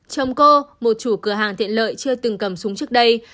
chồng cô một chủ cửa hàng tiện lợi chưa từng cầm súng trước đây